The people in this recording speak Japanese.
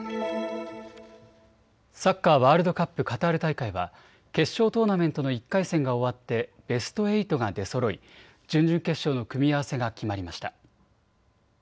サッカーワールドカップカタール大会は決勝トーナメントの１回戦が終わってベスト８が出そろい準々決勝の組み合わせが決まりました。